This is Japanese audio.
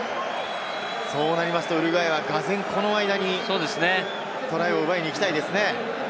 そうなるとウルグアイはがぜんこの間にトライを前に行きたいですね。